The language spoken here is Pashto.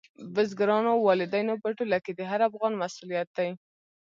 بزګرانو، والدینو په ټوله کې د هر افغان مسؤلیت دی.